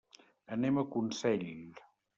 Anem a Consell.